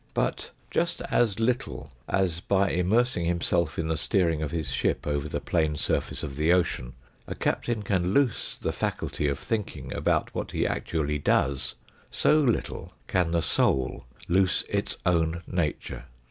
But, 17 258 THE FOUfcTH DIMENSION just as little as by immersing himself in the steering of his ship over the plane surface of the ocean, a captain can loose the faculty of thinking about what he actually does, so little can the soul loose its own nature.